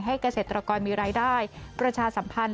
เกษตรกรมีรายได้ประชาสัมพันธ